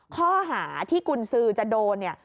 ข้อหาที่กุญสือจะโดนเนี่ย